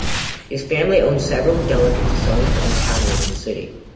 His family owned several delicatessens and taverns in the city.